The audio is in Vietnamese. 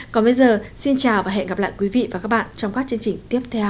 còn bây giờ xin chào và hẹn gặp lại quý vị và các bạn trong các chương trình tiếp theo